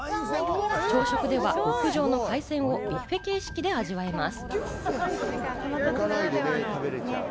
朝食では極上の海鮮をビュッフェ形式で味わえます。